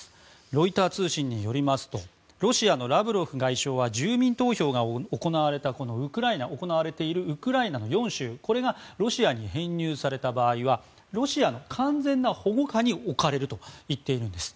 ロイター通信によりますとロシアのラブロフ外相は住民投票が行われているウクライナの４州これがロシアに編入された場合はロシアの完全な保護下に置かれると言っているんです。